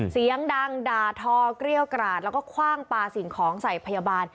เสียงดังด่าทอเกรี้ยวกราดแล้วก็คว่างปลาสิ่งของใส่พยาบาล